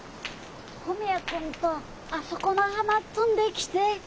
文也君とあそこの花摘んできて。